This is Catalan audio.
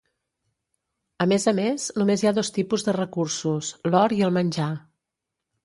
A més a més, només hi ha dos tipus de recursos: l'or i el menjar.